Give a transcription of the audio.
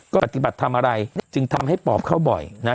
ก็ปฏิบัติทำอะไรจึงทำให้ปอบเข้าบ่อยนะ